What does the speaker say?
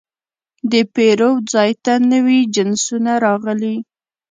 د پیرود ځای ته نوي جنسونه راغلي.